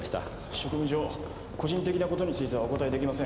職務上個人的な事についてはお答えできません。